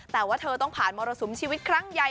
แต่ว่าเธอต้องผ่านมรสุมชีวิตครั้งใหญ่